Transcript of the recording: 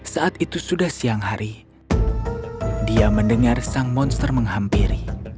saat itu sudah siang hari dia mendengar sang monster menghampiri